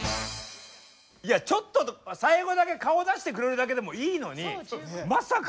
いやちょっと最後だけ顔出してくれるだけでもいいのにまさか。